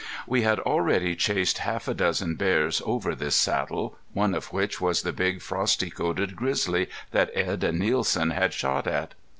We had already chased half a dozen bears over this saddle, one of which was the big frosty coated grizzly that Edd and Nielsen had shot at.